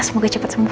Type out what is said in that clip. semoga cepet sembuh